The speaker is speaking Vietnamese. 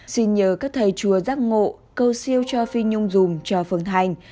xin nhớ các thầy chùa giác ngộ cầu siêu cho phi nhung dùm cho phương thành